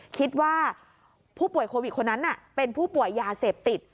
คิดว่าผู้ป่วยโควิดคนนั้นเป็นผู้ป่วยยาเสพติด